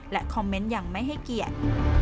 คอมเมนต์ยังไม่ให้เกียรติ